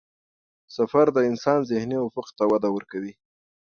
سفر د انسان ذهني افق ته وده ورکوي.